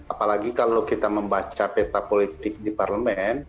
apalagi kalau kita membaca peta politik di parlemen